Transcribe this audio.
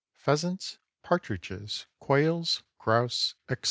PHEASANTS, PARTRIDGES, QUAILS, GROUSE, ETC.